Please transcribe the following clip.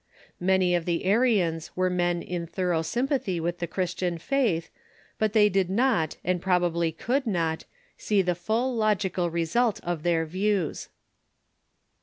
Many of the Arians were men in thorough S3^mpathy with the Christian faith, but they did not, and probably could not, see the full logical result of their views.